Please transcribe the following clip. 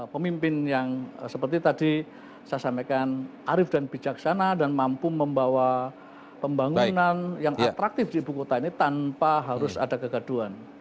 pemimpin yang seperti tadi saya sampaikan arif dan bijaksana dan mampu membawa pembangunan yang atraktif di ibu kota ini tanpa harus ada kegaduan